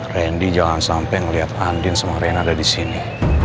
randy jangan sampai ngeliat andin sama rena ada disini